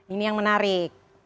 ini yang menarik